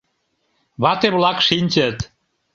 Вате-влак шинчыт.